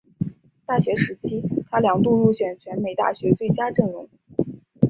大学时期他两度入选全美大学最佳阵容。